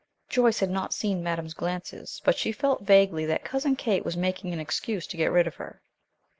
Joyce had not seen madame's glances, but she felt vaguely that Cousin Kate was making an excuse to get rid of her.